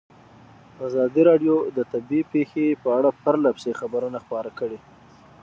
ازادي راډیو د طبیعي پېښې په اړه پرله پسې خبرونه خپاره کړي.